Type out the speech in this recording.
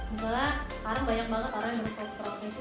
misalnya sekarang banyak banget orang yang berprofesi